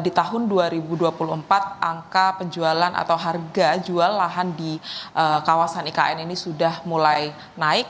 di tahun dua ribu dua puluh empat angka penjualan atau harga jual lahan di kawasan ikn ini sudah mulai naik